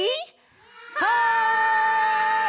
はい！